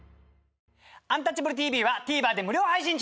「アンタッチャブるＴＶ」はＴＶｅｒで無料配信中！